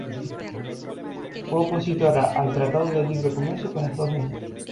Fue opositora al Tratado de Libre Comercio con Estados Unidos.